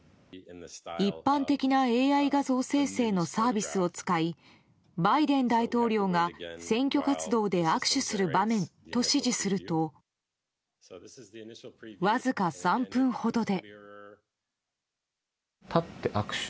一般的なＡＩ画像生成のサービスを使いバイデン大統領が選挙活動で握手する場面と指示するとわずか３分ほどで。